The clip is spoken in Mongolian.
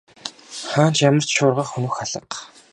Хаана ч ямар ч шургах нүх алга.